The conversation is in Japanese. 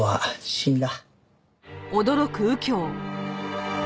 死んだ？